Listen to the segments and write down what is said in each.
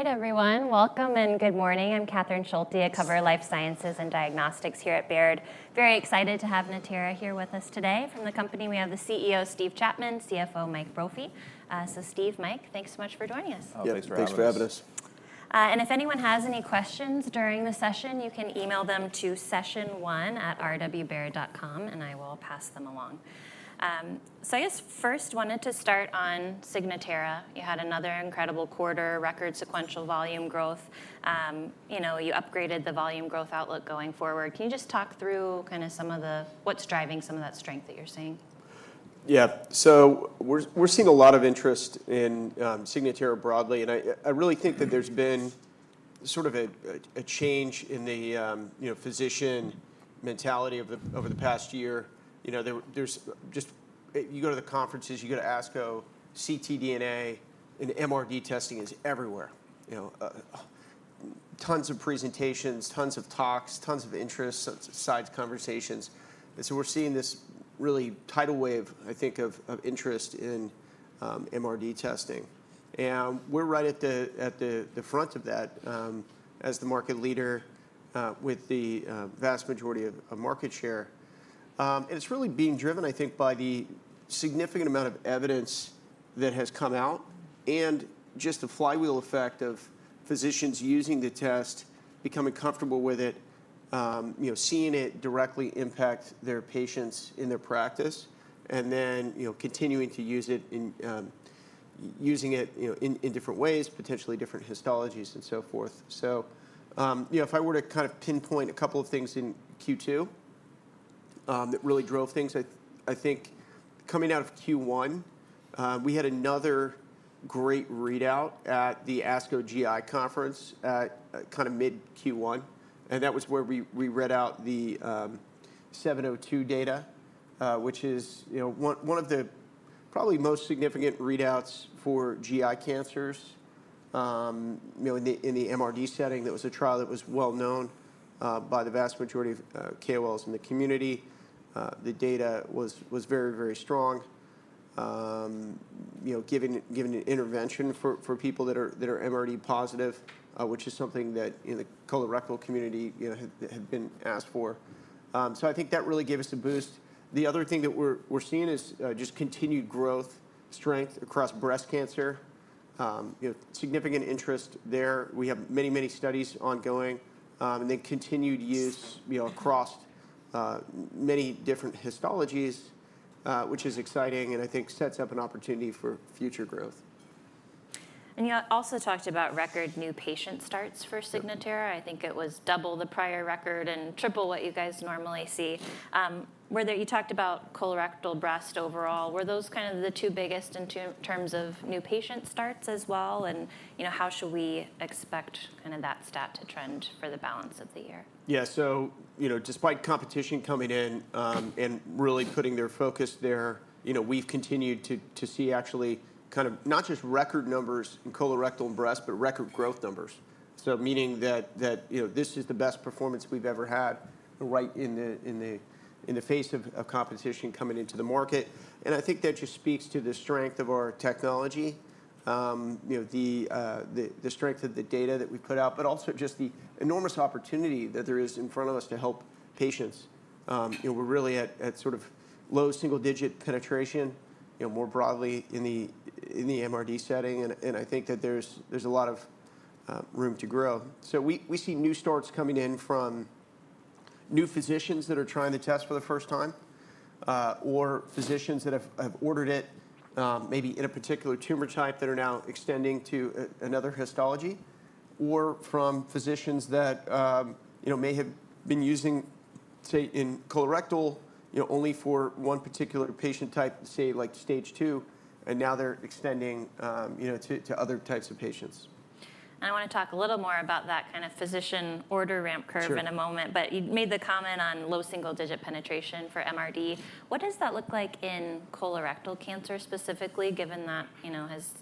All right, everyone. Welcome and good morning. I'm Catherine Schulte, covering life sciences and diagnostics here at Baird. Very excited to have Natera here with us today. From the company, we have the CEO, Steve Chapman, CFO, Michael Brophy. So, Steve, Michael, thanks so much for joining us. Oh, thanks for having us. Thanks for having us. And if anyone has any questions during the session, you can email them to session1@rwbaird.com, and I will pass them along. So I guess first, wanted to start on Signatera. You had another incredible quarter-record sequential volume growth. You upgraded the volume growth outlook going forward. Can you just talk through kind of what's driving some of that strength that you're seeing? Yeah. So we're seeing a lot of interest in Signatera broadly. And I really think that there's been sort of a change in the physician mentality over the past year. You go to the conferences, you go to ASCO, ctDNA, and MRD testing is everywhere. Tons of presentations, tons of talks, tons of interest, side conversations. And so we're seeing this really tidal wave, I think, of interest in MRD testing. And we're right at the front of that as the market leader with the vast majority of market share. And it's really being driven, I think, by the significant amount of evidence that has come out and just the flywheel effect of physicians using the test, becoming comfortable with it, seeing it directly impact their patients in their practice, and then continuing to use it in different ways, potentially different histologies and so forth. If I were to kind of pinpoint a couple of things in Q2 that really drove things, I think coming out of Q1, we had another great readout at the ASCO GI conference kind of mid-Q1. That was where we read out the 702 data, which is one of the probably most significant readouts for GI cancers in the MRD setting. That was a trial that was well known by the vast majority of KOLs in the community. The data was very, very strong, giving an intervention for people that are MRD positive, which is something that the colorectal community had been asked for. I think that really gave us a boost. The other thing that we're seeing is just continued growth strength across breast cancer, significant interest there. We have many, many studies ongoing, and then continued use across many different histologies, which is exciting and I think sets up an opportunity for future growth. And you also talked about record new patient starts for Signatera. I think it was double the prior record and triple what you guys normally see. You talked about colorectal, breast overall. Were those kind of the two biggest in terms of new patient starts as well? And how should we expect kind of that stat to trend for the balance of the year? Yeah. So despite competition coming in and really putting their focus there, we've continued to see actually kind of not just record numbers in colorectal breast, but record growth numbers, meaning that this is the best performance we've ever had right in the face of competition coming into the market. And I think that just speaks to the strength of our technology, the strength of the data that we put out, but also just the enormous opportunity that there is in front of us to help patients. We're really at sort of low single-digit penetration more broadly in the MRD setting. And I think that there's a lot of room to grow. So we see new starts coming in from new physicians that are trying the test for the first time, or physicians that have ordered it maybe in a particular tumor type that are now extending to another histology, or from physicians that may have been using, say, in colorectal only for one particular patient type, say, like stage 2, and now they're extending to other types of patients. And I want to talk a little more about that kind of physician order ramp curve in a moment. But you made the comment on low single-digit penetration for MRD. What does that look like in colorectal cancer specifically, given that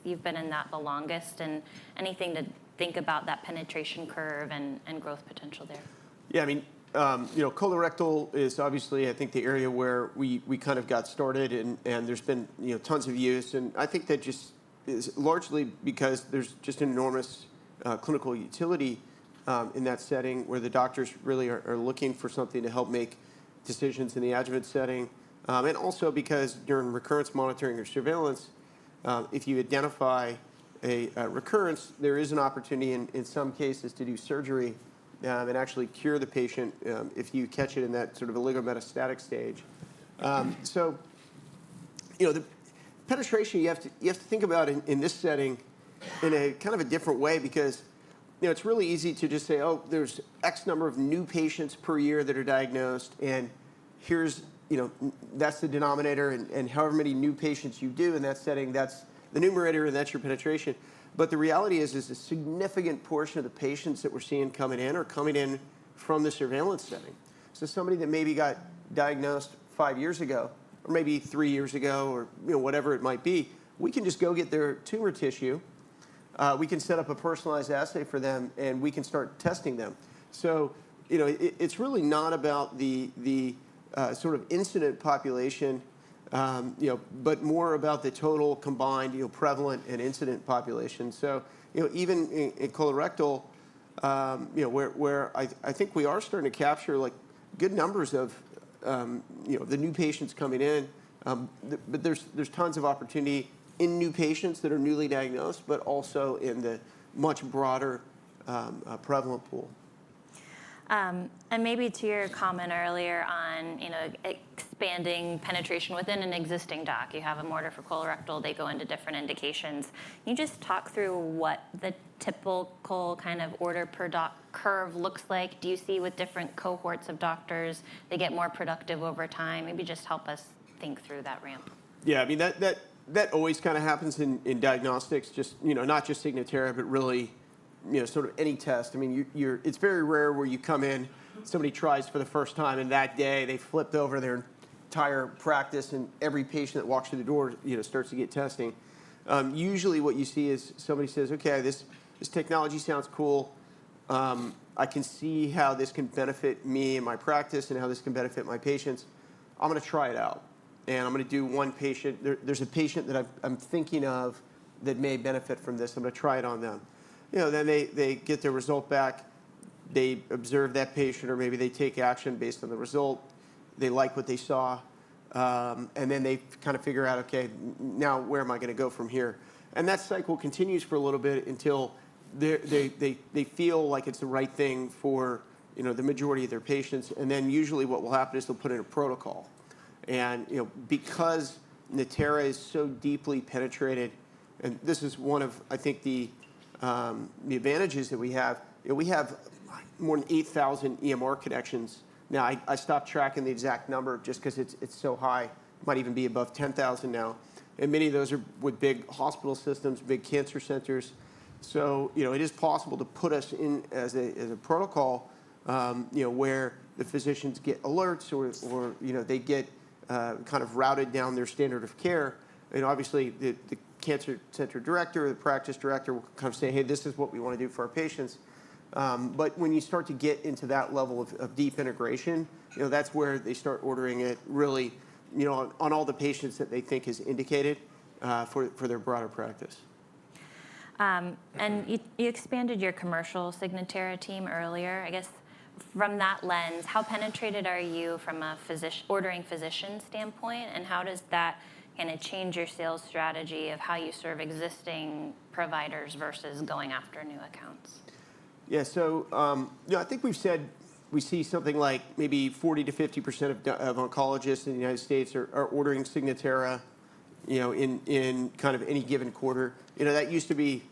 you've been in that the longest? And anything to think about that penetration curve and growth potential there? Colorectal is obviously, I think, the area where we kind of got started, and there's been tons of use. And I think that just largely because there's just enormous clinical utility in that setting where the doctors really are looking for something to help make decisions in the adjuvant setting, and also because during recurrence monitoring or surveillance, if you identify a recurrence, there is an opportunity in some cases to do surgery and actually cure the patient if you catch it in that sort of oligometastatic stage. So penetration, you have to think about in this setting in a kind of a different way because it's really easy to just say, oh, there's X number of new patients per year that are diagnosed, and that's the denominator. And however many new patients you do in that setting, that's the numerator, and that's your penetration. But the reality is a significant portion of the patients that we're seeing coming in are coming in from the surveillance setting. So somebody that maybe got diagnosed five years ago, or maybe three years ago, or whatever it might be, we can just go get their tumor tissue. We can set up a personalized assay for them, and we can start testing them. So it's really not about the sort of incident population, but more about the total combined prevalent and incident population. So even in colorectal, where I think we are starting to capture good numbers of the new patients coming in, but there's tons of opportunity in new patients that are newly diagnosed, but also in the much broader prevalent pool. Maybe to your comment earlier on expanding penetration within an existing doc, you have an MRD for colorectal. They go into different indications. Can you just talk through what the typical kind of order per doc curve looks like? Do you see with different cohorts of doctors they get more productive over time? Maybe just help us think through that ramp. Yeah. I mean, that always kind of happens in diagnostics, not just Signatera, but really sort of any test. I mean, it's very rare where you come in, somebody tries for the first time, and that day they flipped over their entire practice, and every patient that walks through the door starts to get testing. Usually, what you see is somebody says, OK, this technology sounds cool. I can see how this can benefit me and my practice and how this can benefit my patients. I'm going to try it out and I'm going to do one patient. There's a patient that I'm thinking of that may benefit from this. I'm going to try it on them. Then they get their result back. They observe that patient, or maybe they take action based on the result. They like what they saw. And then they kind of figure out, OK, now where am I going to go from here? And that cycle continues for a little bit until they feel like it's the right thing for the majority of their patients. And then usually what will happen is they'll put in a protocol. And because Natera is so deeply penetrated, and this is one of, I think, the advantages that we have, we have more than 8,000 EMR connections. Now, I stopped tracking the exact number just because it's so high. It might even be above 10,000 now. And many of those are with big hospital systems, big cancer centers. So it is possible to put us in as a protocol where the physicians get alerts, or they get kind of routed down their standard of care. Obviously, the cancer center director, the practice director will kind of say, hey, this is what we want to do for our patients. But when you start to get into that level of deep integration, that's where they start ordering it really on all the patients that they think is indicated for their broader practice. And you expanded your commercial Signatera team earlier. I guess from that lens, how penetrated are you from an ordering physician standpoint? And how does that kind of change your sales strategy of how you serve existing providers versus going after new accounts? Yeah. So I think we've said we see something like maybe 40%-50% of oncologists in the United States are ordering Signatera in kind of any given quarter. That used to be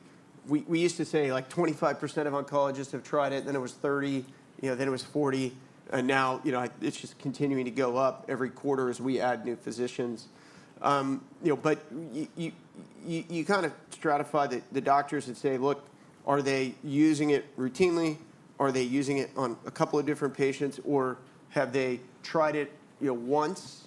we used to say like 25% of oncologists have tried it. Then it was 30%, then it was 40%. And now it's just continuing to go up every quarter as we add new physicians. But you kind of stratify the doctors and say, look, are they using it routinely? Are they using it on a couple of different patients? Or have they tried it once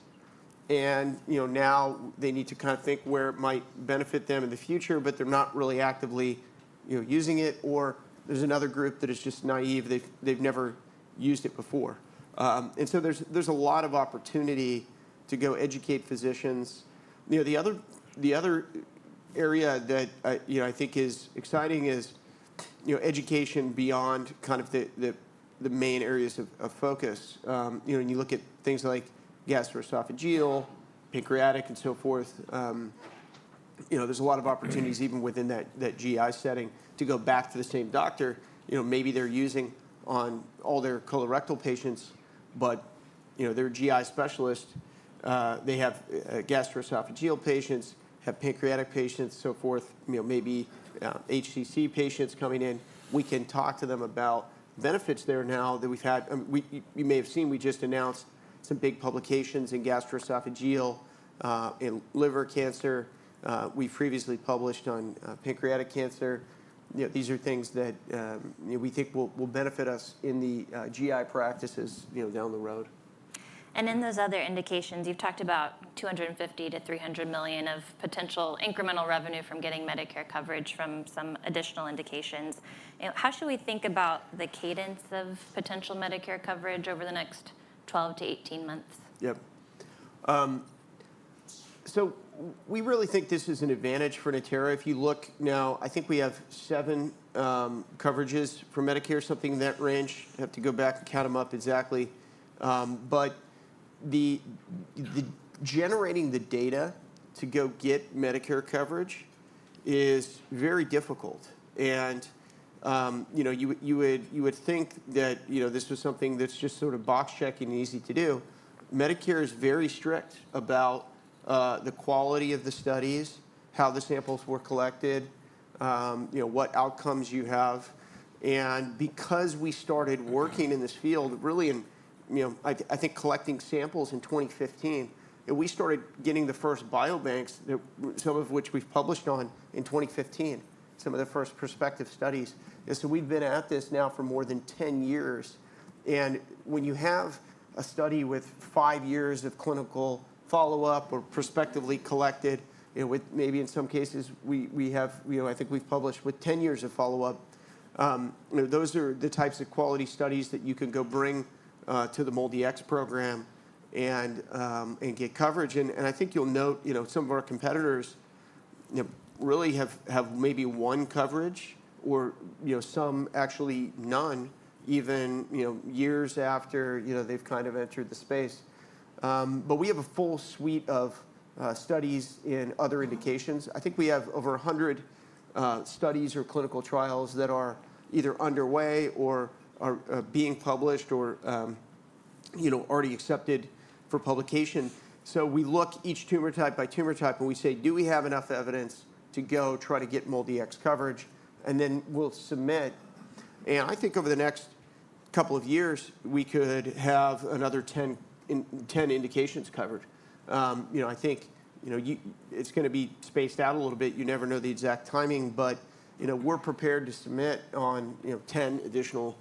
and now they need to kind of think where it might benefit them in the future, but they're not really actively using it? Or there's another group that is just naive. They've never used it before. And so there's a lot of opportunity to go educate physicians. The other area that I think is exciting is education beyond kind of the main areas of focus. When you look at things like gastroesophageal, pancreatic, and so forth, there's a lot of opportunities even within that GI setting to go back to the same doctor. Maybe they're using on all their colorectal patients, but they're a GI specialist. They have gastroesophageal patients, have pancreatic patients, so forth, maybe HCC patients coming in. We can talk to them about benefits there now that we've had. You may have seen we just announced some big publications in gastroesophageal and liver cancer. We previously published on pancreatic cancer. These are things that we think will benefit us in the GI practices down the road. In those other indications, you've talked about $250 million-$300 million of potential incremental revenue from getting Medicare coverage from some additional indications. How should we think about the cadence of potential Medicare coverage over the next 12 to 18 months? Yep. So we really think this is an advantage for Natera. If you look now, I think we have seven coverages for Medicare, something in that range. I have to go back and count them up exactly. But generating the data to go get Medicare coverage is very difficult. And you would think that this was something that's just sort of box checking easy to do. Medicare is very strict about the quality of the studies, how the samples were collected, what outcomes you have. And because we started working in this field, really, I think collecting samples in 2015, we started getting the first biobanks, some of which we've published on in 2015, some of the first prospective studies. And so we've been at this now for more than 10 years. And when you have a study with five years of clinical follow-up or prospectively collected, with maybe in some cases we have, I think we've published with 10 years of follow-up, those are the types of quality studies that you can go bring to the MolDX program and get coverage. And I think you'll note some of our competitors really have maybe one coverage or some actually none even years after they've kind of entered the space. But we have a full suite of studies in other indications. I think we have over 100 studies or clinical trials that are either underway or are being published or already accepted for publication. So we look each tumor type by tumor type, and we say, do we have enough evidence to go try to get MolDX coverage? And then we'll submit. I think over the next couple of years, we could have another 10 indications covered. I think it's going to be spaced out a little bit. You never know the exact timing. We're prepared to submit on 10 additional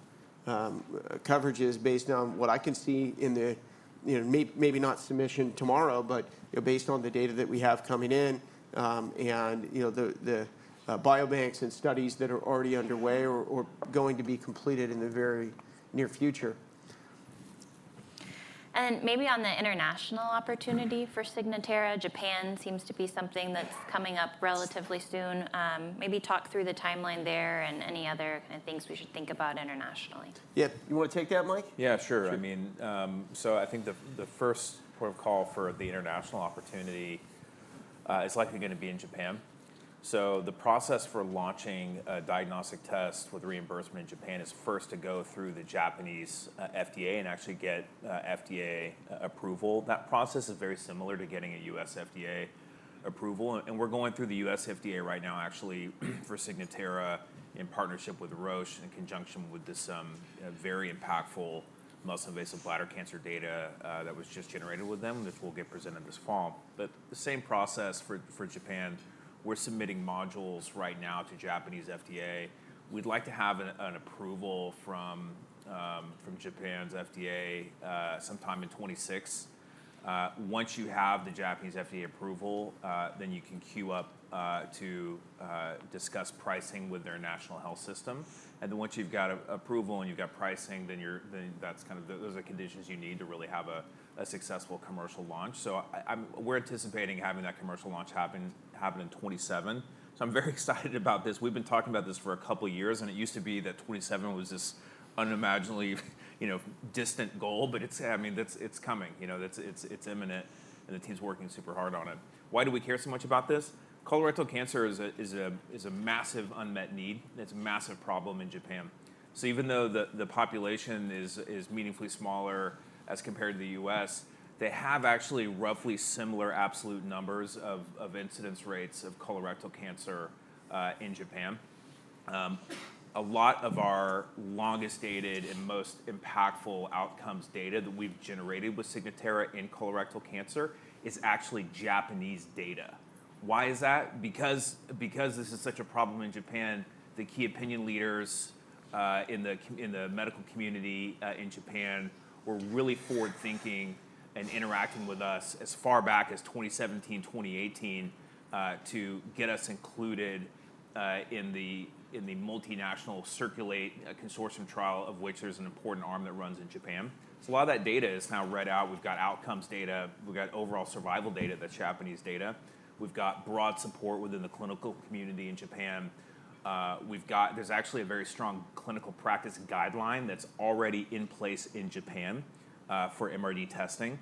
coverages based on what I can see in the maybe not submission tomorrow, but based on the data that we have coming in and the biobanks and studies that are already underway or going to be completed in the very near future. Maybe on the international opportunity for Signatera, Japan seems to be something that's coming up relatively soon. Maybe talk through the timeline there and any other kind of things we should think about internationally. Yeah. You want to take that, Michael? Yeah, sure. I mean, so I think the first protocol for the international opportunity is likely going to be in Japan, so the process for launching a diagnostic test with reimbursement in Japan is first to go through the Japanese FDA and actually get FDA approval. That process is very similar to getting a U.S. FDA approval, and we're going through the U.S. FDA right now, actually, for Signatera in partnership with Roche in conjunction with this very impactful muscle invasive bladder cancer data that was just generated with them, which will get presented this fall, but the same process for Japan. We're submitting modules right now to Japanese FDA. We'd like to have an approval from Japan's FDA sometime in 2026. Once you have the Japanese FDA approval, then you can queue up to discuss pricing with their national health system. And then, once you've got approval and you've got pricing, then that's kind of those are the conditions you need to really have a successful commercial launch. So we're anticipating having that commercial launch happen in 2027. So I'm very excited about this. We've been talking about this for a couple of years. And it used to be that 2027 was this unimaginably distant goal. But I mean, it's coming. It's imminent. And the team's working super hard on it. Why do we care so much about this? Colorectal cancer is a massive unmet need. It's a massive problem in Japan. So even though the population is meaningfully smaller as compared to the U.S., they have actually roughly similar absolute numbers of incidence rates of colorectal cancer in Japan. A lot of our longest dated and most impactful outcomes data that we've generated with Signatera in colorectal cancer is actually Japanese data. Why is that? Because this is such a problem in Japan, the key opinion leaders in the medical community in Japan were really forward-thinking and interacting with us as far back as 2017, 2018 to get us included in the multinational CIRCULATE consortium trial, of which there's an important arm that runs in Japan. So a lot of that data is now read out. We've got outcomes data. We've got overall survival data that's Japanese data. We've got broad support within the clinical community in Japan. There's actually a very strong clinical practice guideline that's already in place in Japan for MRD testing.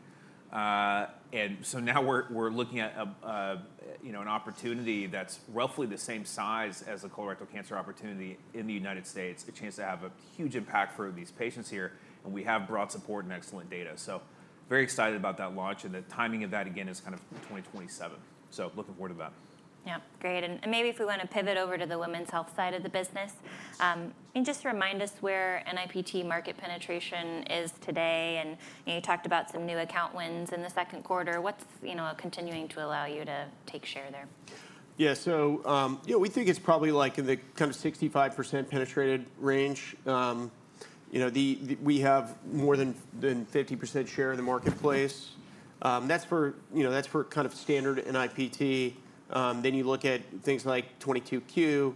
And so now we're looking at an opportunity that's roughly the same size as a colorectal cancer opportunity in the United States, a chance to have a huge impact for these patients here. And we have broad support and excellent data. So very excited about that launch. And the timing of that, again, is kind of 2027. So looking forward to that. Yeah. Great. And maybe if we want to pivot over to the women's health side of the business, just remind us where NIPT market penetration is today. And you talked about some new account wins in the second quarter. What's continuing to allow you to take share there? Yeah. So we think it's probably like in the kind of 65% penetrated range. We have more than 50% share in the marketplace. That's for kind of standard NIPT. Then you look at things like 22q,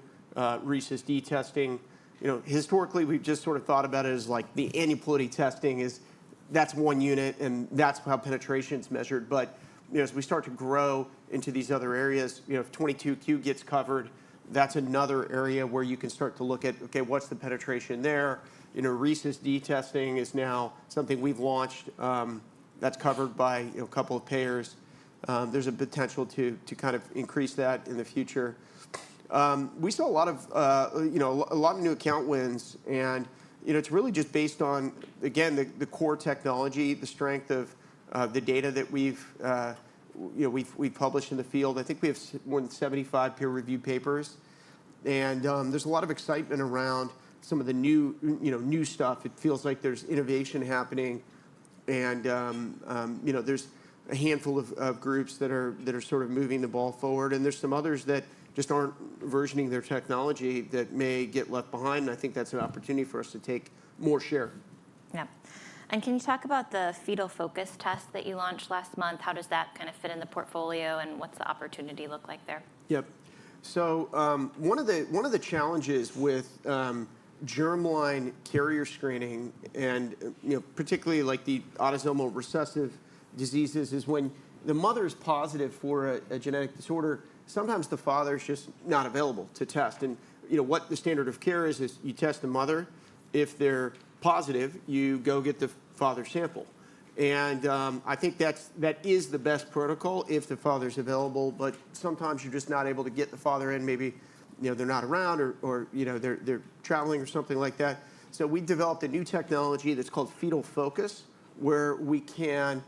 recessive testing. Historically, we've just sort of thought about it as like the aneuploidy testing is that's one unit. And that's how penetration is measured. But as we start to grow into these other areas, if 22q gets covered, that's another area where you can start to look at, OK, what's the penetration there? Recessive testing is now something we've launched that's covered by a couple of payers. There's a potential to kind of increase that in the future. We saw a lot of new account wins. And it's really just based on, again, the core technology, the strength of the data that we've published in the field. I think we have more than 75 peer-reviewed papers, and there's a lot of excitement around some of the new stuff. It feels like there's innovation happening, and there's a handful of groups that are sort of moving the ball forward, and there's some others that just aren't versioning their technology that may get left behind, and I think that's an opportunity for us to take more share. Yeah. And can you talk about the Fetal Focus test that you launched last month? How does that kind of fit in the portfolio? And what's the opportunity look like there? Yep. So one of the challenges with germline carrier screening, and particularly like the autosomal recessive diseases, is when the mother is positive for a genetic disorder, sometimes the father is just not available to test. And what the standard of care is, is you test the mother. If they're positive, you go get the father's sample. And I think that is the best protocol if the father is available. But sometimes you're just not able to get the father in. Maybe they're not around, or they're traveling, or something like that. So we developed a new technology that's called Fetal Focus, where we can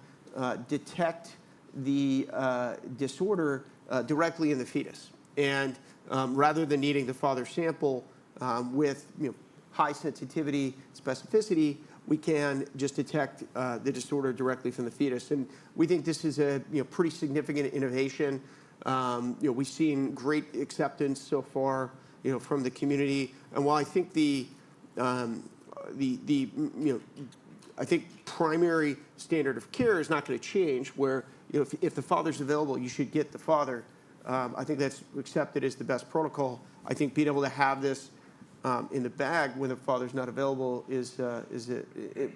detect the disorder directly in the fetus. And rather than needing the father's sample with high sensitivity specificity, we can just detect the disorder directly from the fetus. And we think this is a pretty significant innovation. We've seen great acceptance so far from the community, and while I think the primary standard of care is not going to change, where if the father is available, you should get the father, I think that's accepted as the best protocol. I think being able to have this in the bag when the father is not available is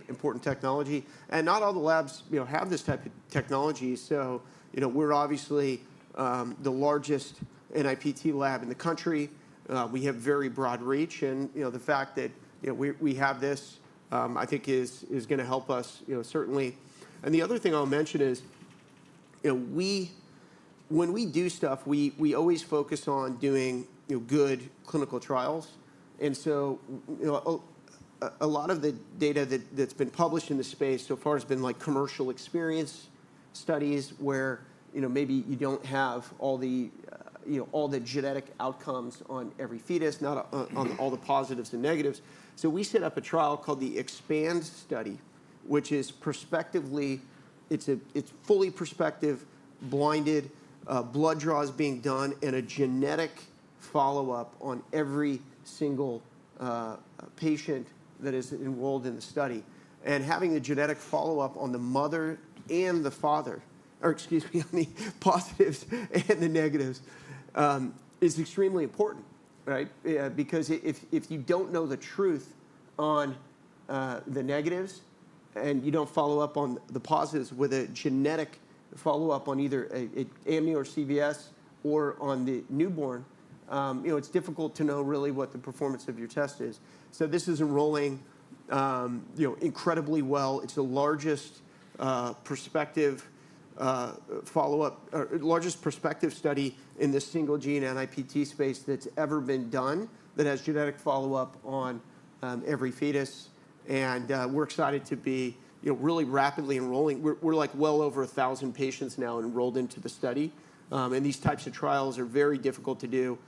important technology, and not all the labs have this type of technology, so we're obviously the largest NIPT lab in the country. We have very broad reach, and the fact that we have this, I think, is going to help us certainly, and the other thing I'll mention is when we do stuff, we always focus on doing good clinical trials. And so a lot of the data that's been published in the space so far has been like commercial experience studies, where maybe you don't have all the genetic outcomes on every fetus, not on all the positives and negatives. So we set up a trial called the EXPAND study, which is prospectively it's fully prospective, blinded blood draws being done and a genetic follow-up on every single patient that is enrolled in the study. And having the genetic follow-up on the mother and the father or excuse me, on the positives and the negatives is extremely important, right? Because if you don't know the truth on the negatives and you don't follow up on the positives with a genetic follow-up on either amnio or CVS or on the newborn, it's difficult to know really what the performance of your test is. So this is enrolling incredibly well. It's the largest prospective follow-up or largest prospective study in the single gene NIPT(Non-Invasive Prenatal Testing) space that's ever been done that has genetic follow-up on every fetus, and we're excited to be really rapidly enrolling. We're like well over 1,000 patients now enrolled into the study, and these types of trials are very difficult to do.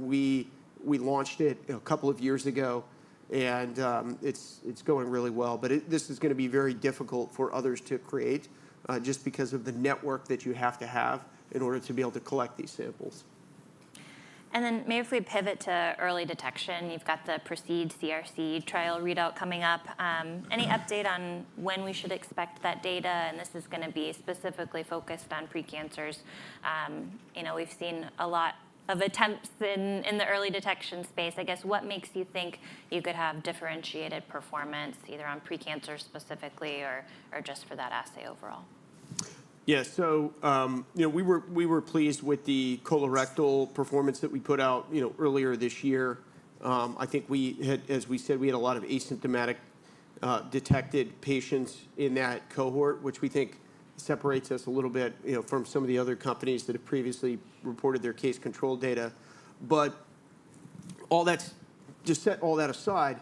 We launched it a couple of years ago, and it's going really well. But this is going to be very difficult for others to create just because of the network that you have to have in order to be able to collect these samples. Then maybe if we pivot to early detection. You've got the PRECEDES-CRC trial readout coming up. Any update on when we should expect that data? This is going to be specifically focused on precancers. We've seen a lot of attempts in the early detection space. I guess what makes you think you could have differentiated performance either on precancer specifically or just for that assay overall? Yeah. So we were pleased with the colorectal performance that we put out earlier this year. I think, as we said, we had a lot of asymptomatic detected patients in that cohort, which we think separates us a little bit from some of the other companies that have previously reported their case control data. But to set all that aside,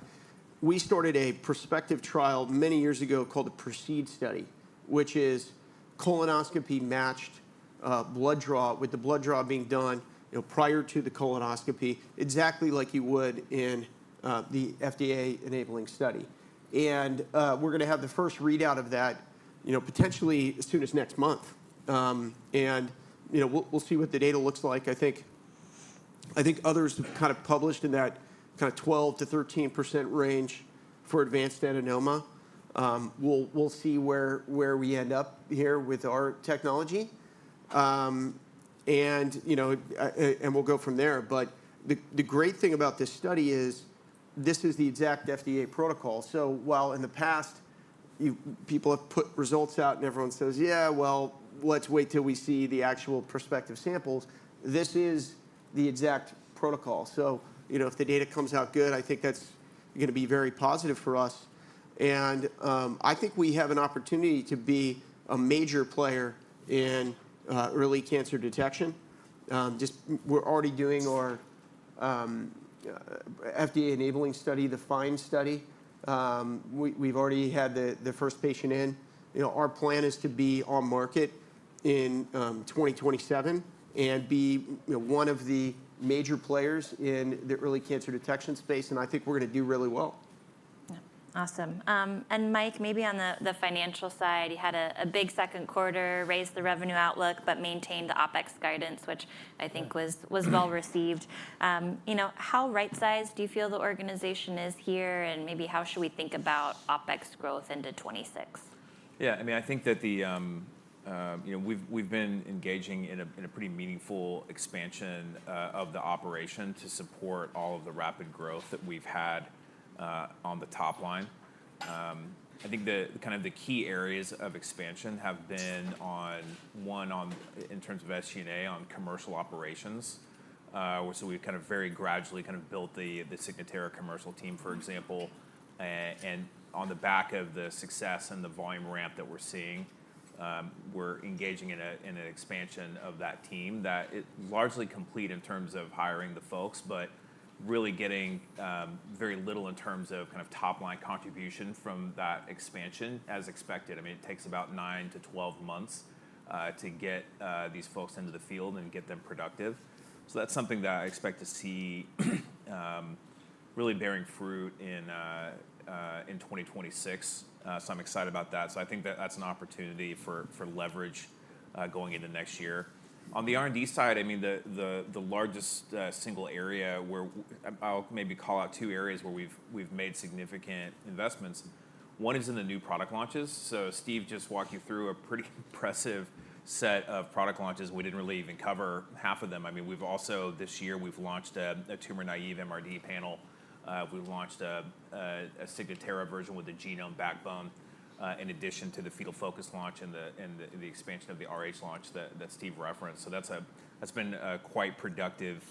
we started a prospective trial many years ago called the PRECEDE study, which is colonoscopy matched blood draw with the blood draw being done prior to the colonoscopy, exactly like you would in the FDA enabling study. And we're going to have the first readout of that potentially as soon as next month. And we'll see what the data looks like. I think others have kind of published in that kind of 12%-13% range for advanced adenoma. We'll see where we end up here with our technology. We'll go from there. The great thing about this study is this is the exact FDA protocol. While in the past, people have put results out and everyone says, yeah, well, let's wait till we see the actual prospective samples, this is the exact protocol. If the data comes out good, I think that's going to be very positive for us. I think we have an opportunity to be a major player in early cancer detection. We're already doing our FDA enabling study, the FIND study. We've already had the first patient in. Our plan is to be on market in 2027 and be one of the major players in the early cancer detection space. I think we're going to do really well. Yeah. Awesome. And Mike, maybe on the financial side, you had a big second quarter, raised the revenue outlook, but maintained the OpEx guidance, which I think was well received. How right-sized do you feel the organization is here? And maybe how should we think about OpEx growth into 2026? Yeah. I mean, I think that we've been engaging in a pretty meaningful expansion of the operation to support all of the rapid growth that we've had on the top line. I think kind of the key areas of expansion have been on one, in terms of SG&A, on commercial operations. So we've kind of very gradually kind of built the Signatera commercial team, for example. And on the back of the success and the volume ramp that we're seeing, we're engaging in an expansion of that team that is largely complete in terms of hiring the folks, but really getting very little in terms of kind of top line contribution from that expansion, as expected. I mean, it takes about nine to 12 months to get these folks into the field and get them productive. So that's something that I expect to see really bearing fruit in 2026. So I'm excited about that. So I think that that's an opportunity for leverage going into next year. On the R&D side, I mean, the largest single area where I'll maybe call out two areas where we've made significant investments. One is in the new product launches. So Steve just walked you through a pretty impressive set of product launches. We didn't really even cover half of them. I mean, this year, we've launched a tumor-naive MRD panel. We launched a Signatera version with a genome backbone, in addition to the Fetal Focus launch and the expansion of the Rh launch that Steve referenced. So that's been a quite productive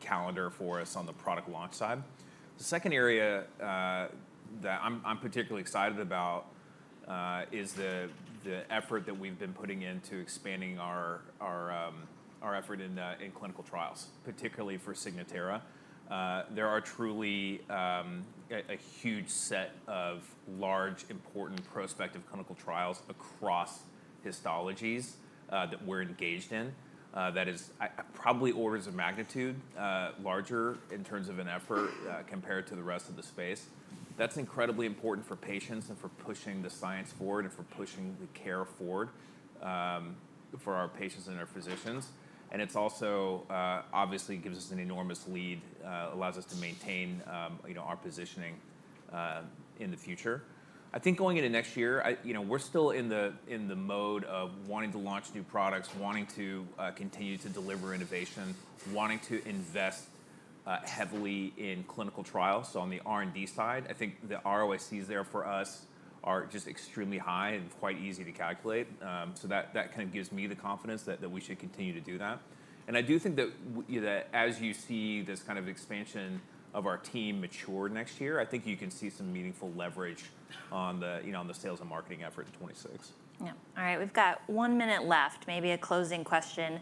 calendar for us on the product launch side. The second area that I'm particularly excited about is the effort that we've been putting into expanding our effort in clinical trials, particularly for Signatera. There are truly a huge set of large, important prospective clinical trials across histologies that we're engaged in that is probably orders of magnitude larger in terms of an effort compared to the rest of the space. That's incredibly important for patients and for pushing the science forward and for pushing the care forward for our patients and our physicians, and it also, obviously, gives us an enormous lead, allows us to maintain our positioning in the future. I think going into next year, we're still in the mode of wanting to launch new products, wanting to continue to deliver innovation, wanting to invest heavily in clinical trials, so on the R&D side, I think the ROICs there for us are just extremely high and quite easy to calculate, so that kind of gives me the confidence that we should continue to do that. I do think that as you see this kind of expansion of our team mature next year, I think you can see some meaningful leverage on the sales and marketing effort in 2026. Yeah. All right. We've got one minute left, maybe a closing question.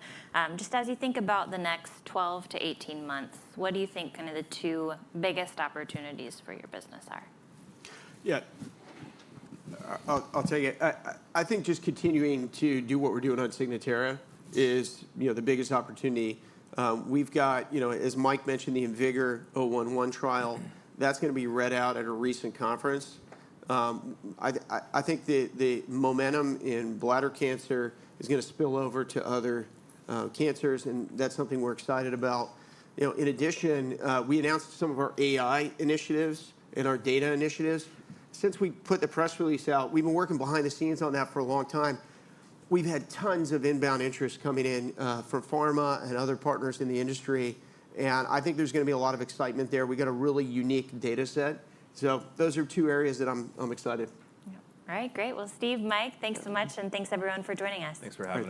Just as you think about the next 12 to 18 months, what do you think kind of the two biggest opportunities for your business are? Yeah. I'll tell you. I think just continuing to do what we're doing on Signatera is the biggest opportunity. We've got, as Michael mentioned, the IMvigor011 trial. That's going to be read out at a recent conference. I think the momentum in bladder cancer is going to spill over to other cancers. And that's something we're excited about. In addition, we announced some of our AI initiatives and our data initiatives. Since we put the press release out, we've been working behind the scenes on that for a long time. We've had tons of inbound interest coming in from pharma and other partners in the industry. And I think there's going to be a lot of excitement there. We've got a really unique data set. So those are two areas that I'm excited. Yeah. All right. Great. Well, Steve, Michael, thanks so much, and thanks, everyone, for joining us. Thanks for having us.